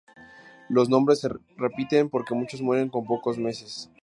Los nombres se repiten porque muchos mueren con pocos meses.